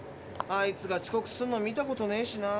あいつが遅刻するの見たことねえしな。